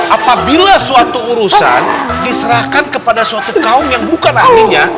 apabila suatu urusan diserahkan kepada suatu kaum yang bukan ahlinya